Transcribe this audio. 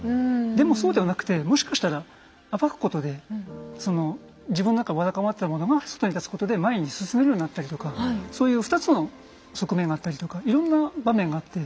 でもそうではなくてもしかしたら暴くことでその自分の中わだかまってたものが外に出すことで前に進めるようになったりとかそういう２つの側面があったりとかいろんな場面があって。